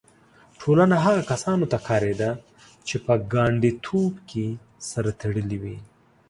ټولنه هغو کسانو ته کارېده چې په ګانډیتوب کې سره تړلي وي.